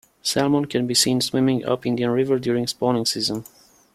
Salmon can be seen swimming up Indian River during spawning season.